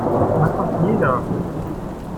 Macht doch jeder.